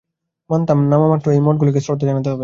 জানতাম নামা মাত্রই আমাকে ওই মঠগুলিতে শ্রদ্ধা জানাতে হবে।